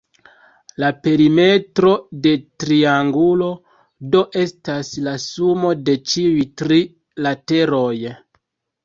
La perimetro de triangulo, do, estas la sumo de ĉiuj tri lateroj.